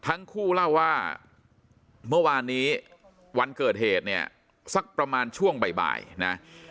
ทั้งคู่เล่าว่าเมื่อวานนี้วันเกิดเหตุเนี่ยสักประมาณช่วงบ่ายนะ